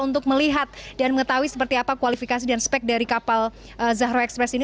untuk melihat dan mengetahui seperti apa kualifikasi dan spek dari kapal zahro express ini